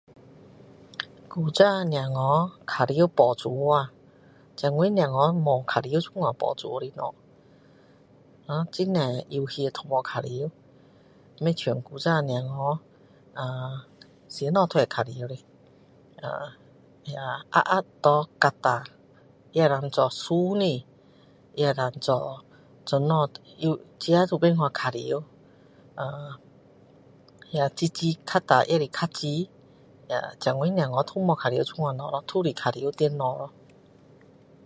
以前小孩玩宝珠呀现在的小孩没有玩这样宝珠的东西很多游戏都没有玩不像以前的小孩呃什么都会玩的呃盒盒拿来割一下也可以做船的夜那个可以做东西自己都有办法玩呃那个籽耔捡下也是收起来呃现在小孩都没有玩这样的东西咯都是玩电脑咯